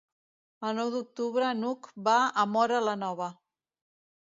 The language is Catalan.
El nou d'octubre n'Hug va a Móra la Nova.